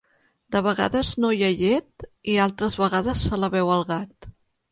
De vegades no hi ha llet i altres vegades se la beu gat.